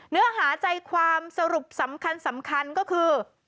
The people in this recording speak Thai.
เนื้อหาใจความสรุปสำคัญก็คือ